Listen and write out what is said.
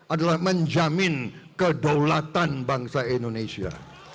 adalah menjamin kedaulatan bangsa indonesia